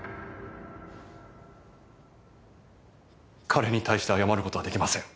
彼に対して謝る事はできません。